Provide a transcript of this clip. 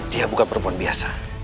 dia bukan perempuan biasa